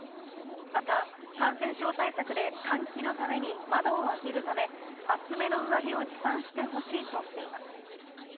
また、感染症対策で換気のために窓を開けるため、厚めの上着を持参してほしいとしています。